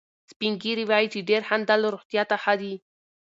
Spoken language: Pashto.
سپین ږیري وایي چې ډېر خندل روغتیا ته ښه دي.